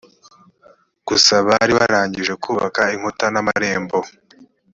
gusa bari barangije kubaka inkuta n amarembo